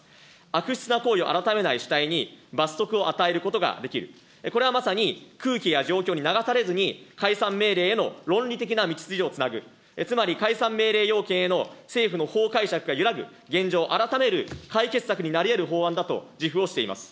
悪質な行為を改めない主体に、罰則を与えることができる、これはまさに空気や状況に流されずに、解散命令への論理的な道筋をつなぐ、つまり解散命令要件への政府の法解釈が揺らぐ現状を改める解決策になりえる法案だと自負をしています。